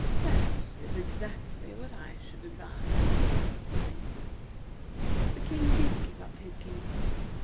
"That is exactly what I should advise," said the Sphinx. The King did give up his kingdom.